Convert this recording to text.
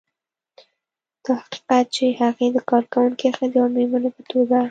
دا حقیقت چې هغې د کارکونکې ښځې او مېرمنې په توګه